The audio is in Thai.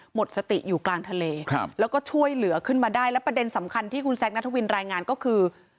หมดสติอยู่กลางทะเลแล้วก็ช่วยเหลือขึ้นมาได้แล้วประเด็นสำคัญที่คุณแซคนัทวินรายงานก็คือ